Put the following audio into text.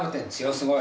すごい。